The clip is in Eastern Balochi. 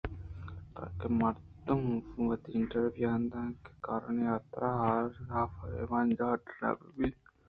تاں کہ مردم وتی انٹرویوءُ ایندگہ کارانی حاترا ہارن ہاف ءِ مہمان جاہ ءَ ڈنّ بہ بنت